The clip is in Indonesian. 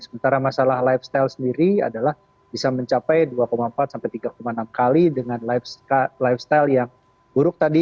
sementara masalah lifestyle sendiri adalah bisa mencapai dua empat sampai tiga enam kali dengan lifestyle yang buruk tadi